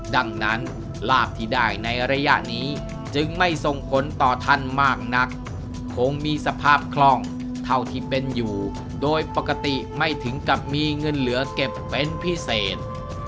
ดังนั้นลาบที่ได้ในระยะนี้จึงไม่ส่งผลต่อท่านมากนักคงมีสภาพคล่องเท่าที่เป็นอยู่โดยปกติไม่ถึงกับมีเงินเหลือเก็บเป็นพิเศษ